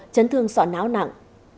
chấn thương sọ náo nặng